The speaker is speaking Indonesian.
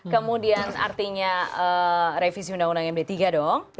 kemudian artinya revisi undang undang md tiga dong